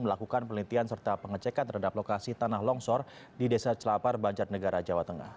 melakukan penelitian serta pengecekan terhadap lokasi tanah longsor di desa celapar banjarnegara jawa tengah